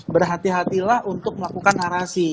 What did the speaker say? berhati hatilah untuk melakukan narasi